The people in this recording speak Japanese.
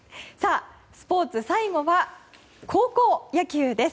スポーツ、最後は高校野球です。